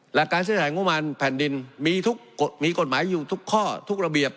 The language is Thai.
หลักการใช้งบกลางแผ่นดินมีกฎหมายอยู่ทุกข้อทุกระเบียบ